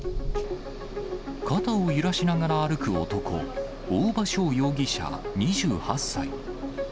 肩を揺らしながら歩く男、大場翔容疑者２８歳。